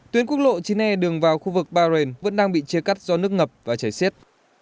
tuyến quốc lộ chín e đường vào khu vực bà rền vẫn đang bị chia cắt do nước ngập và chảy xiết